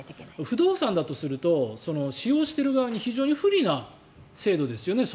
不動産だとすると使用している側に非常に不利な制度ですよね。